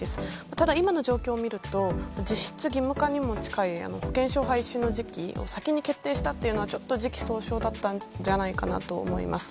ただ今の状況を見ると実質義務化にも近い保険証廃止の時期を先に決定したのは時期尚早だったと思います。